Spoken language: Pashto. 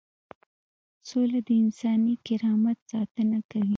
سوله د انساني کرامت ساتنه کوي.